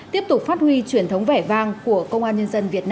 tiếp tục phát huy truyền thống vẻ vang của công an nhân dân việt nam